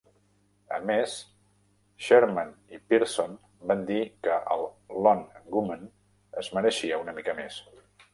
A més, Shearman i Pearson, van dir que el Lone Gunmen es mereixia una mica més.